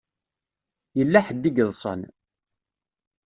Yella ḥedd i yeḍsan.